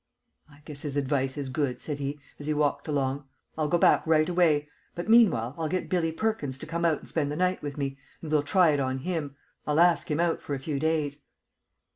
"I guess his advice is good," said he, as he walked along. "I'll go back right away but meanwhile I'll get Billie Perkins to come out and spend the night with me, and we'll try it on him. I'll ask him out for a few days."